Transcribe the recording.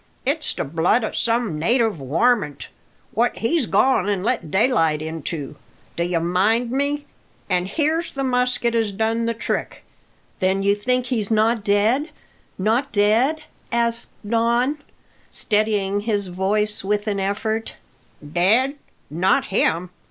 It's the blood o' some native warmint, what he's gone an' let daylight into, d'ye mind me, an' here's the musket as done the trick." "Then you think he's not not dead?" asked Don, steadying his voice with an effort. "Dead? Not him!